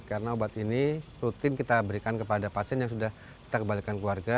karena obat ini rutin kita berikan kepada pasien yang sudah kita kembalikan keluarga